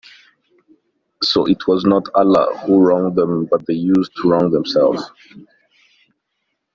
So it was not Allah who wronged them, but they used to wrong themselves.